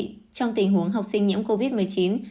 trong tình huống học sinh nhiễm covid một mươi chín